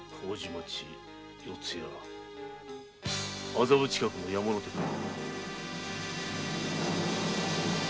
・麹町四谷麻布近くの山の手か？